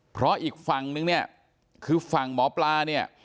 เพราะอีกฝั่งนึงเนี่ยคือฝั่งหมอปลาเนี่ย